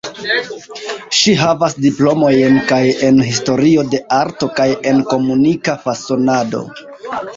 Ŝi havas diplomojn kaj en Historio de Arto kaj en Komunika Fasonado.